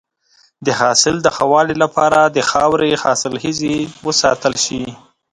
د حاصل د ښه والي لپاره د خاورې حاصلخیزی وساتل شي.